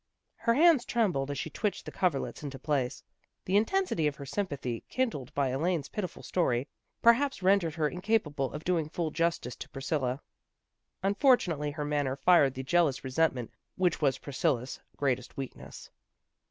Her hands trembled as she twitched the coverlets into place. The intensity of her sympathy, kindled by Elaine's pitiful story, perhaps rendered her incapable of doing full justice to Priscilla. Unfortunately her manner fired the jealous resentment which was Priscilla's greatest weakness.